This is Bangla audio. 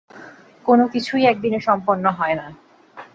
কোন কিছুই একদিনে সম্পন্ন হয় না।